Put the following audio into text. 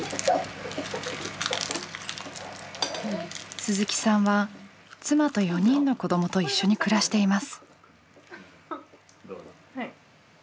鈴木さんは妻と４人の子どもと一緒に暮らしています。